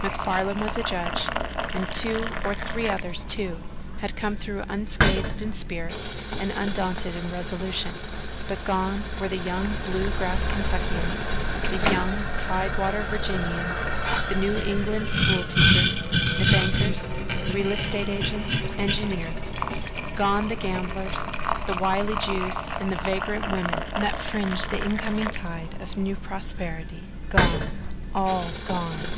MacFarlan was a judge, and two or three others, too, had come through unscathed in spirit and undaunted in resolution but gone were the young Bluegrass Kentuckians, the young Tide water Virginians, the New England school teachers, the bankers, real estate agents, engineers; gone the gamblers, the wily Jews and the vagrant women that fringe the incoming tide of a new prosperity gone all gone!